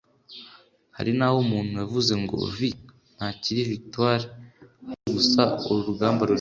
Hari naho umuntu yavuze ngo “V” ntakiri victoire nkaho ariwe gusa uru rugamba rureba